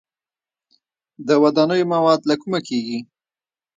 د ودانیو مواد له کومه کیږي؟